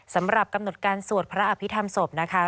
สำหรับกำหนดการสวดพระอภิษฐรรมศพนะคะ